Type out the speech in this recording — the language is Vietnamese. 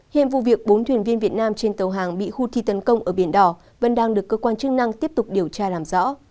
hiện vụ việc bốn thuyền viên việt nam trên tàu hàng bị houthi tấn công ở biển đỏ vẫn đang được cơ quan chức năng tiếp tục điều tra làm rõ